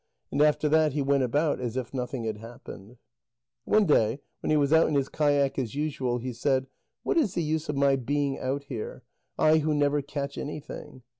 And after that he went about as if nothing had happened. One day when he was out in his kayak as usual, he said: "What is the use of my being out here, I who never catch anything?"